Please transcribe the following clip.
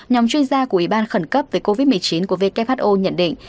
nhóm chuyên gia của ủy ban khẩn cấp về covid một mươi chín của who nhận định